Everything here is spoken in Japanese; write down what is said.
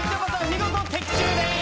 見事的中です。